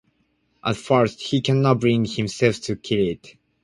At first, he cannot bring himself to kill it.